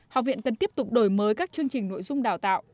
học viện cần tiếp tục đổi mới các chương trình nội dung đào tạo